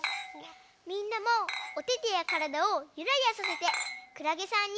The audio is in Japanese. みんなもおててやからだをゆらゆらさせてくらげさんに。